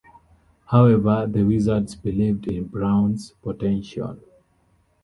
However, the Wizards believed in Brown's potential.